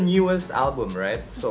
ini album terbaru kan